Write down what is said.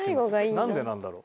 なんでなんだろう？